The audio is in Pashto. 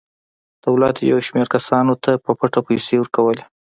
دولت یو شمېر کسانو ته په پټه پیسې ورکولې.